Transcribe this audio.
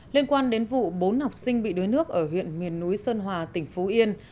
liên quan đến vụ bốn học sinh bị đuối nước ở huyện miền núi sơn hòa tỉnh phú yên